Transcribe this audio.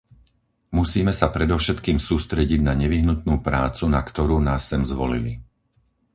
Musíme sa predovšetkým sústrediť na nevyhnutnú prácu, na ktorú nás sem zvolili.